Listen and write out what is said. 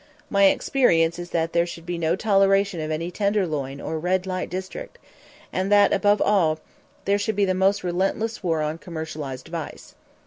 My experience is that there should be no toleration of any "tenderloin" or "red light" district, and that, above all, there should be the most relentless war on commercialized vice.